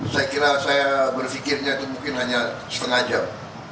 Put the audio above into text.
saya kira saya berpikirnya itu mungkin hanya setengah jam